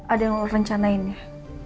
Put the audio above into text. ada yang lo rencanain ya